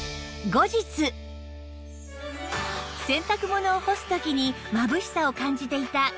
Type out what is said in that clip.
洗濯物を干す時にまぶしさを感じていた今井さんは